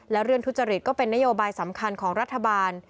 และเรื่องทุจริตก็เป็นนโยบายสำคัญของรัฐบาล